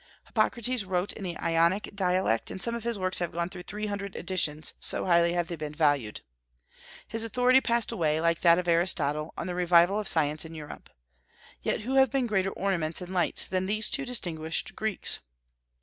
Hippocrates wrote in the Ionic dialect, and some of his works have gone through three hundred editions, so highly have they been valued. His authority passed away, like that of Aristotle, on the revival of science in Europe. Yet who have been greater ornaments and lights than these two distinguished Greeks?